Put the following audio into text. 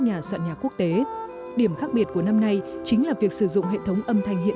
nhà soạn nhạc quốc tế điểm khác biệt của năm nay chính là việc sử dụng hệ thống âm thanh hiện